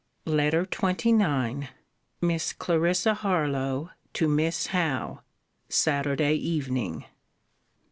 LETTER XXIX MISS CLARISSA HARLOWE, TO MISS HOWE. SATURDAY EVENING.